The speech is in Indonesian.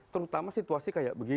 terutama situasi kayak begini